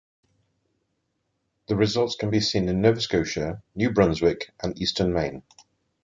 The results can be seen in Nova Scotia, New Brunswick, and eastern Maine.